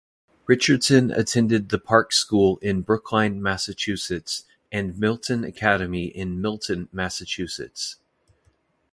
Richardson attended the Park School in Brookline, Massachusetts, and Milton Academy in Milton, Massachusetts.